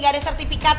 gak ada sertifikat